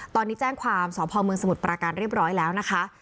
ตอนนี้แจ้งความสพเมืองสมุทรปราการเรียบร้อยแล้วนะคะ